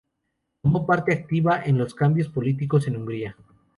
Tomó parte activa en los cambios políticos en Hungría.